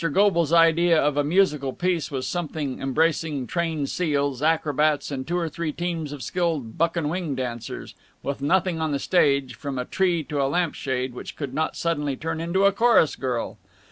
Goble's idea of a musical piece was something embracing trained seals, acrobats, and two or three teams of skilled buck and wing dancers, with nothing on the stage, from a tree to a lamp shade, which could not suddenly turn into a chorus girl.